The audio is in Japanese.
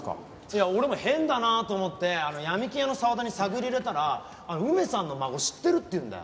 いや俺も変だなあと思って闇金屋の澤田に探り入れたら梅さんの孫知ってるって言うんだよ。